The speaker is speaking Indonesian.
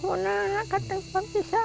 maka tetap bisa